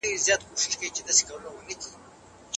د حجرې ووړکي به اوس څوک راټولوينه